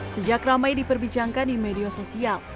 sejak ramai diperbincangkan di media sosial